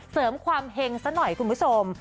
เสริมความเห็งซะหน่อยคุณผู้ชม